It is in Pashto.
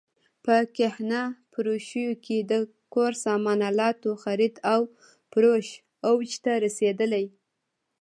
په کهنه فروشیو کې د کور سامان الاتو خرید او فروش اوج ته رسېدلی.